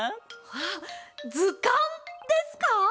あっずかんですか？